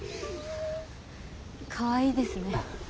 かわいいですね。